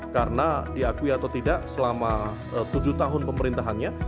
karena diakui atau tidak selama tujuh tahun pemerintahannya